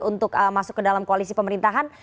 untuk masuk ke dalam koalisi pemerintahan